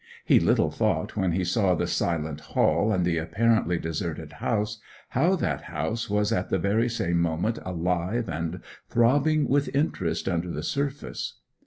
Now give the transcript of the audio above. He little thought when he saw the silent hall, and the apparently deserted house, how that house was at the very same moment alive and throbbing with interest under the surface.